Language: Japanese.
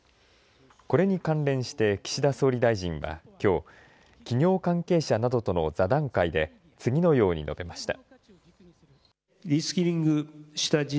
これに関連して岸田総理大臣は、きょう企業関係者などとの座談会で次のように述べました。